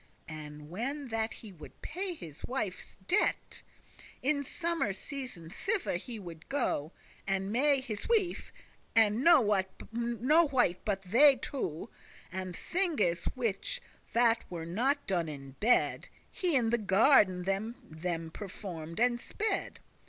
* *opened And when that he would pay his wife's debt, In summer season, thither would he go, And May his wife, and no wight but they two; And thinges which that were not done in bed, He in the garden them perform'd and sped.